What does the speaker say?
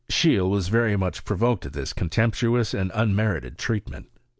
Seheele was very much provoked at this contemptuous and unmerited treatment.